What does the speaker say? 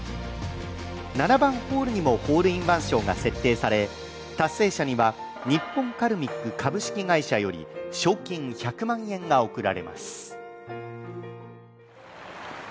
７番ホールにもホールインワン賞が設定され達成者には日本カルミック株式会社より賞金１００万円が贈られます。